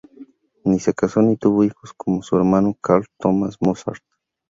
Ni se casó ni tuvo hijos, como su hermano Karl Thomas Mozart.